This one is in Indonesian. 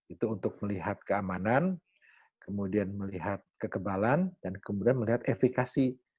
itu untuk melihat keamanan kemudian melihat kekebalan dan kemudian melihat efekasi